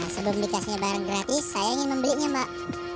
sebelum dikasih barang gratis saya ingin membelinya mbak